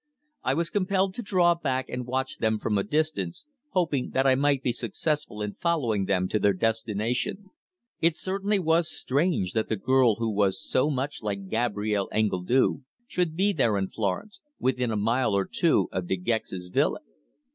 I was compelled to draw back and watch them from a distance, hoping that I might be successful in following them to their destination. It certainly was strange that the girl who was so much like Gabrielle Engledue should be there in Florence, within a mile or two of De Gex's villa!